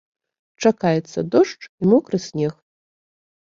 Чакаецца дождж і мокры снег.